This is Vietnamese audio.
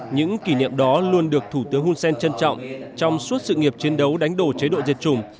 những kỷ niệm đó luôn được thủ tướng hun sen trân trọng trong suốt sự nghiệp chiến đấu đánh đổ chế độ diệt chủng